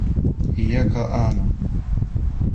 إيَّاكَ أَعَنَى